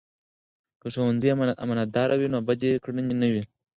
که ښوونځي امانتدار وي، نو بدې کړنې نه وي.